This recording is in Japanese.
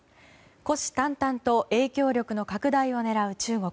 虎視眈々と影響力の拡大を狙う中国。